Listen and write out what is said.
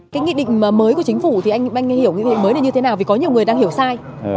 cái nghị định mới của chính phủ thì anh hiểu như thế nào vì có nhiều người đang hiểu sai